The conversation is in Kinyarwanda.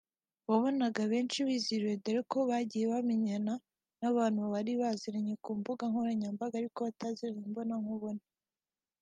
wabonaga benshi bizihiwe dore ko bagiye bamenyenya n’abantu bari baziranye ku mbuga nkoranyamabaga ariko bataziranye imbona nkubone